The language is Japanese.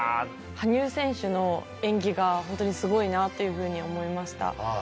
羽生選手の演技が、本当にすごいなっていうふうに思いました。